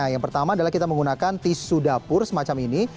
yang pertama adalah kita menggunakan tisu dapur semacam ini